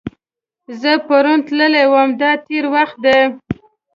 زه پرون تللی وم – دا تېر وخت دی.